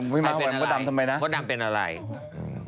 พี่มั้ดมดดำทำไมนะ